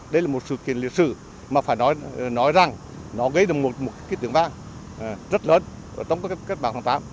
đây là một sự kiện lịch sử mà phải nói rằng nó gây ra một cái tướng vang rất lớn trong các cách mạng tháng tám